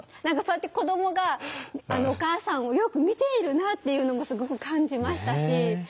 何かそうやって子どもがお母さんをよく見ているなっていうのもすごく感じましたし。